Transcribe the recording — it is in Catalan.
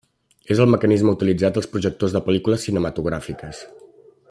És el mecanisme utilitzat als projectors de pel·lícules cinematogràfiques.